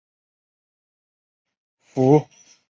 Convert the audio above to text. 孵溪蟾只曾发现在未开发的雨林出现。